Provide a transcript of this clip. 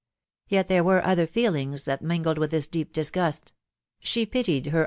Yet there were other feelings that mingled with this deep disgust ; she pitied her a.